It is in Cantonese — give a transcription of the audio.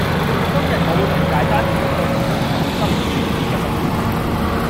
今日我會同大家做一個屬於重心轉移嘅實驗